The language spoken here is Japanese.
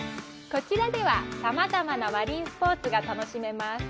こちらではさまざまなマリンスポーツが楽しめます。